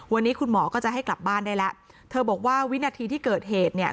วันนี้คุณหมอก็จะให้กลับบ้านได้แล้วเธอบอกว่าวินาทีที่เกิดเหตุเนี่ย